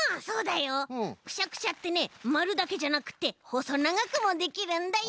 くしゃくしゃってねまるだけじゃなくてほそながくもできるんだよ！